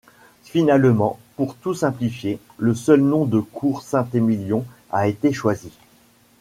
Finalement, pour tout simplifier, le seul nom de Cour Saint-Émilion a été choisi.